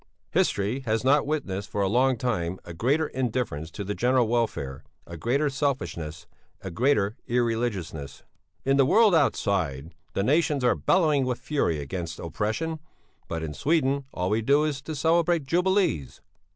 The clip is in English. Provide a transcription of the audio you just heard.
History has not witnessed for a long time a greater indifference to the general welfare, a greater selfishness, a greater irreligiousness. "'In the world outside the nations are bellowing with fury against oppression; but in Sweden all we do is to celebrate jubilees.